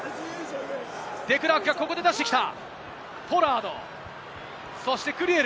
デクラークがここで出してきた。